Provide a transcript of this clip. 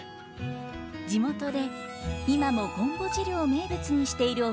地元で今もごんぼ汁を名物にしているお店があります。